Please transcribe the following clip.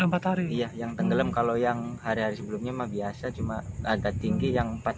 empat hari iya yang tenggelam kalau yang hari hari sebelumnya mah biasa cuma agak tinggi yang empat